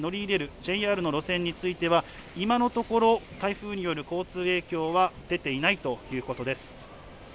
ＪＲの路線については今のところ台風による交通影響は出ていないということです。